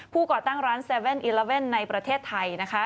ผู้ก่อตั้งร้าน๗๑๑ในประเทศไทย